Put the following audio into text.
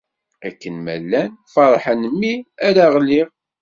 Akken ma llan, ferrḥen mi ara ɣliɣ.